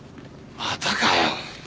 またかよ！